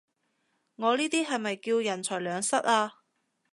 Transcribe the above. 我呢啲係咪叫人財兩失啊？